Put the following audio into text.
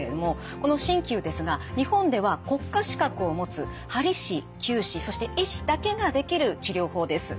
この鍼灸ですが日本では国家資格を持つはり師きゅう師そして医師だけができる治療法です。